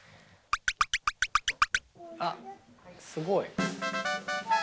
あっすごい。